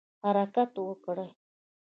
حرکت وکړ.